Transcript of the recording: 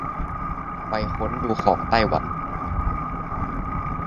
ไปค้นดูของไต้หวัน